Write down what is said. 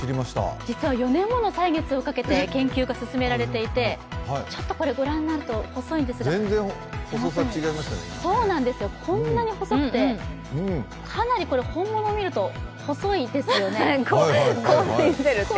実は４年もの歳月をかけて研究が進められていてご覧になると、細いんですが、こんなに細くて、かなり本物を見ると細いですよね。